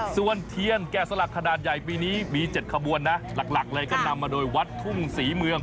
ส่วนเทียนแก่สลักขนาดใหญ่ปีนี้มี๗ขบวนนะหลักเลยก็นำมาโดยวัดทุ่งศรีเมือง